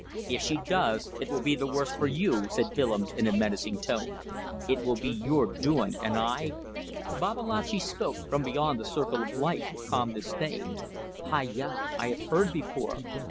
"If she does it will be the worse for you," said Willems, in a menacing voice. "It will be your doing, and I ..." Babalatchi spoke, from beyond the circle of light, with calm disdain. "Hai ya! I have heard before.